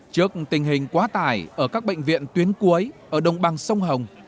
trước tình hình quá tải ở các bệnh viện tuyến cuối ở đồng bằng sông hồng